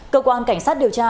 cơ quan cảnh sát điều tra